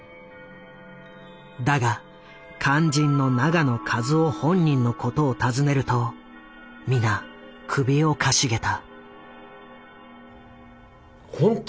だが肝心の永野一男本人のことを尋ねると皆首をかしげた。